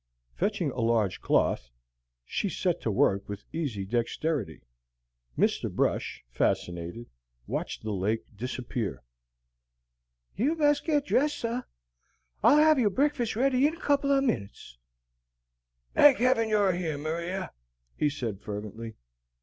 Fetching a large cloth, she set to work with easy dexterity. Mr. Brush, fascinated, watched the lake disappear. "You bes' get dress', sah. Ah'll have yo' breakfas' ready in a couple o' minutes." "Thank Heaven you're here, Maria!" he said fervently.